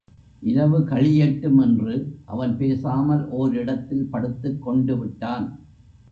இரவு கழியட்டும் என்று அவன் பேசாமல் ஓர் இடத்தில் படுத்துக் கொண்டுவிட்டான்.